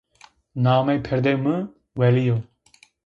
Namê perdê mı Weliyo.